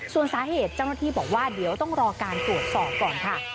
ส่วนสาเหตุเจ้าหน้าที่บอกว่าเดี๋ยวต้องรอการตรวจสอบก่อนค่ะ